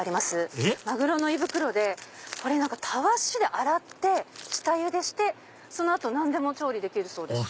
えっ⁉マグロの胃袋でたわしで洗って下ゆでしてその後調理できるそうですよ。